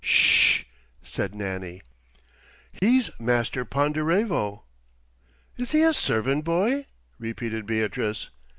"S s sh," said Nannie. "He's Master Ponderevo." "Is he a servant boy?" repeated Beatrice.